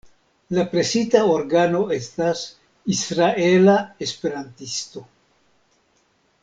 La presita organo estas "Israela Esperantisto".